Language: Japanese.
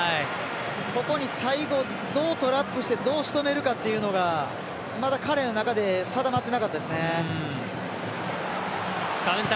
ここに最後どうトラップしてどうしとめるかというのが彼の中で定まってなかったですね。